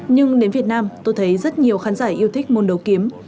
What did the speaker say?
nhưng đến việt nam tôi thấy rất nhiều khán giả yêu thích môn đầu kiếm